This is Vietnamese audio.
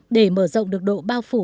để mở rộng được độ bao phủ